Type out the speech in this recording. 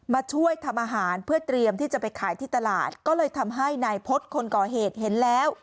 มาช่วยทำอาหารเพื่อเตรียมที่จะไปขายที่ตลาดก็เลยทำให้นายพฤษคนก่อเหตุเห็นแล้ว